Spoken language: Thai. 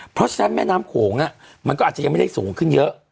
เพราะฉะนั้นแม่น้ำโขงมันก็อาจจะยังไม่ได้สูงขึ้นเยอะ